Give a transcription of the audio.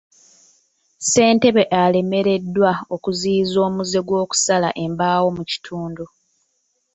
Ssentebe alemereddwa okuziyiza omuze gw'okusala embaawo mu kitundu